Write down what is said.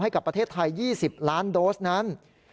ให้กับประเทศไทย๒๐ล้านโดสนั้น